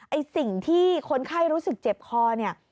ไอ้สิ่งที่คนไข้รู้สึกเจ็บคอเนี่ย